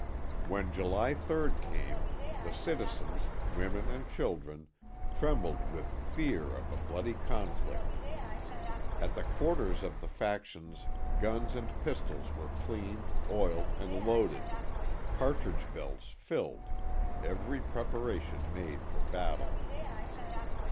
When July 3rd came, the citizens, women and children, trembled with fear of a bloody conflict. At the quarters of the factions guns and pistols were cleaned, oiled and loaded, cartridge belts filled every preparation made for battle.